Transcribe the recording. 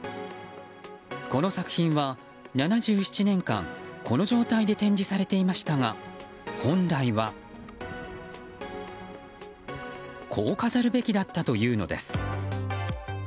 この作品は７７年間この状態で展示されていましたが本来は、こう飾るべきだったというのです。